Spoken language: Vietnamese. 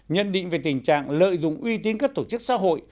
nhận định về tình trạng lợi dụng uy tín các tổ chức xã hội